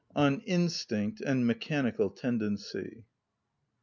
On Instinct And Mechanical Tendency.